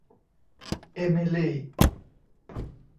เอมิลี่